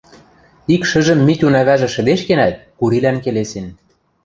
Ик шӹжӹм Митюн ӓвӓжӹ шӹдешкенӓт, Курилӓн келесен: